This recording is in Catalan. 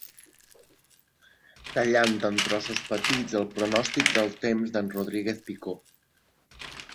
Tallant en trossos petits el pronòstic del temps d'en Rodríguez Picó.